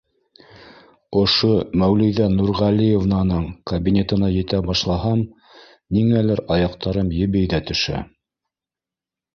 Ошо Мәүлиҙә Нурғәлиевнаның кабинетына етә башлаһам, ниңәлер аяҡтарым ебей ҙә төшә.